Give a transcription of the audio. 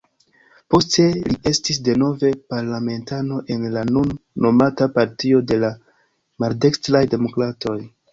Poste li estis denove parlamentano, en la nun nomata Partio de la Maldekstraj Demokratoj.